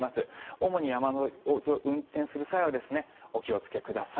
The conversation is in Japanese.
主に運転する際はお気をつけください。